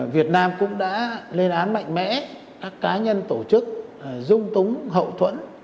việt nam cũng đã lên án mạnh mẽ các cá nhân tổ chức dung túng hậu thuẫn